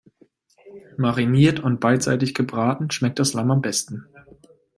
Mariniert und beidseitig gebraten schmeckt das Lamm am besten.